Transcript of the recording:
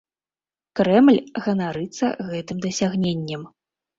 Крэмль ганарыцца гэтым дасягненнем.